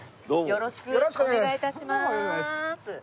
よろしくお願いします。